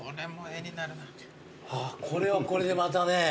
これはこれでまたね